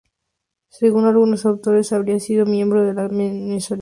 Según algunos autores, habría sido miembro de la masonería.